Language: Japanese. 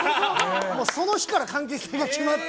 その日から関係性が決まって。